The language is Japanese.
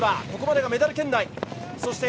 ここまでがメダル圏内。